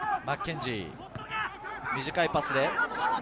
マッケンジー、短いパスで。